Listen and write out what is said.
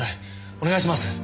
お願いします！